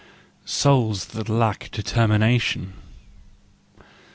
"SOULS THAT LACK DETERMINATION."